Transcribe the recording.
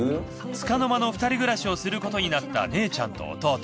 つかの間の２人暮らしをすることになった姉ちゃんと弟。